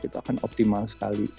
itu akan optimal sekali